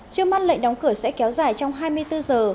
trước mắt lệnh đóng cửa sẽ kéo dài trong hai mươi bốn giờ